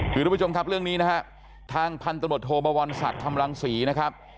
คุณผู้ชมครับเรื่องนี้นะครับทางพันธนตรวจโฮบาวัลสัตว์ธรรมรังศรีนะครับ